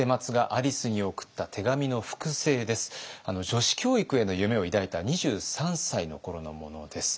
女子教育への夢を抱いた２３歳の頃のものです。